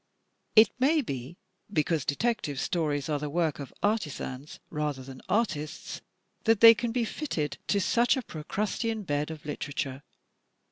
It may be because Detective Stories are the work of artisans rather than artists that they can be fitted to such a Pro crustean bed of literature.